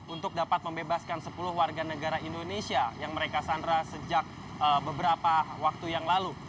untuk dapat membebaskan sepuluh warga negara indonesia yang mereka sandra sejak beberapa waktu yang lalu